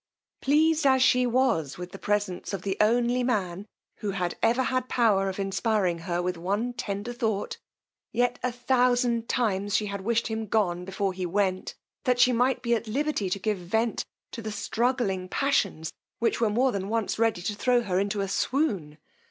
Pleased as she was with the presence of the only man who had ever had power of inspiring her with one tender thought, yet a thousand times she had wished him gone before he went, that she might be at liberty to give vent to the struggling passions which were more than once ready to throw her into a swoon.